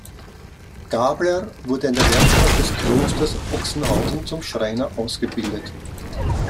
Gabler wurde in der Werkstatt des Klosters Ochsenhausen zum Schreiner ausgebildet.